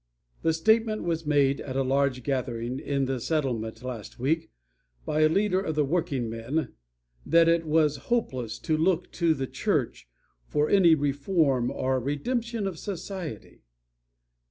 The statement was made at a large gathering in the Settlement last week by a leader of workingmen that it was hopeless to look to the church for any reform or redemption of society.